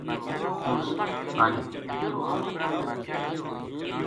پُلس آئی